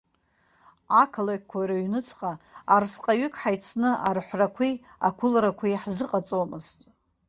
Ақалақьқәа рыҩнуҵҟа арсҟаҩык ҳаицны арҳәрақәеи ақәыларақәеи ҳзыҟаҵомызт.